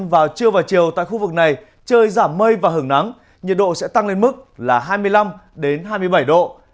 vào chiều và chiều tại khu vực này trời giảm mây và hưởng nắng nhiệt độ sẽ tăng lên mức là hai mươi năm đến hai mươi bảy độ